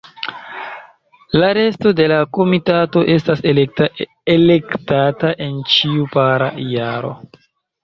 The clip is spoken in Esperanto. La resto de la komitato estas elektata en ĉiu para jaro.